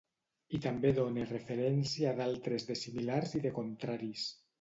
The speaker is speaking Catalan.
I també done referència a d'altres de similars i de contraris.